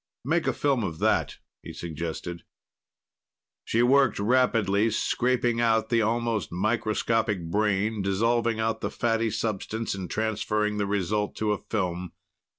"Make a film of that," he suggested. She worked rapidly, scraping out the almost microscopic brain, dissolving out the fatty substance, and transferring the result to a film.